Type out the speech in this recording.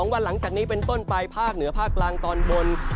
วันหลังจากนี้เป็นต้นไปภาคเหนือภาคกลางตอนบน